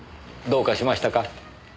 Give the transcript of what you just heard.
どうかしましたか？